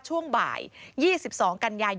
ช่วงบ่าย๒๒กันยายนที่ผ่านมา